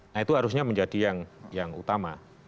nah itu harusnya menjadi yang utama